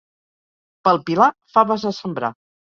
Pel Pilar, faves a sembrar.